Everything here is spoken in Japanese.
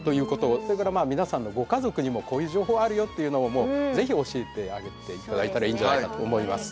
それからまあ皆さんのご家族にもこういう情報あるよというのをもう是非教えてあげていただいたらいいんじゃないかと思います。